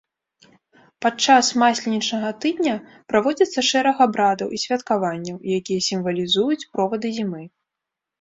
Падчас масленічнага тыдня праводзіцца шэраг абрадаў і святкаванняў, якія сімвалізуюць провады зімы.